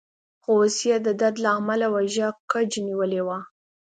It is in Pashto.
خو اوس يې د درد له امله اوږه کج نیولې وه.